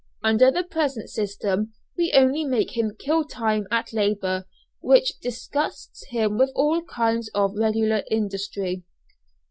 Under the present system we only make him kill time at labour which disgusts him with all kinds of regular industry.